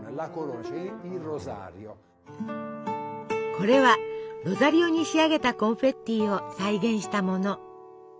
これはロザリオに仕上げたコンフェッティを再現したもの。